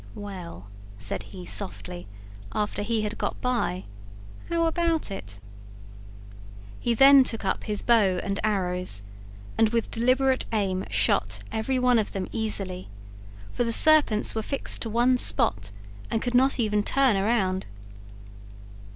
"Well," said he, softly, after he had got by, "how about it?" He then took up his bow and arrows, and with deliberate aim shot every one of them easily, for the serpents were fixed to one spot and could not even turn around.